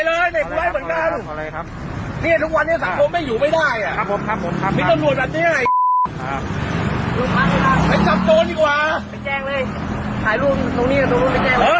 เลยไปเลยเนี่ยผมเลยเหมือนกันเอาเลยครับเนี่ย